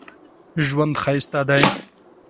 ژوند ښایسته دی